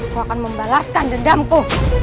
kau akan membalaskan dendamku